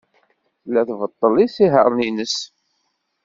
Tella tbeṭṭel isihaṛen-nnes.